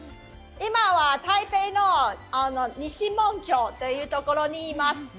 今は、台北の西門町というところにいます。